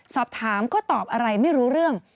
สอบถามก็ตอบอะไรไม่รู้เรื่อง